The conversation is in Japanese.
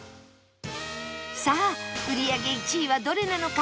さあ売り上げ１位はどれなのか？